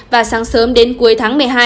và sáng sớm đến cuối tháng một mươi hai